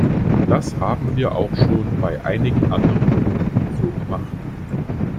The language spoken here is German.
Das haben wir auch schon bei einigen anderen Punkten so gemacht.